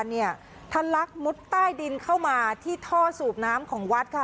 เนี่ยทะลักมุดใต้ดินเข้ามาที่ท่อสูบน้ำของวัดค่ะ